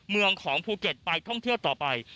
เมืองของภูเก็ตไปท่องเที่ยวต่อไป